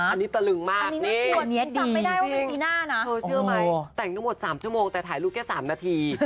อันนี้ตระลึงมากนี่จริงจริงตัวเชื่อไหมแต่งตั้งหมด๓ชั่วโมงแต่ถ่ายลูกแค่๓นาที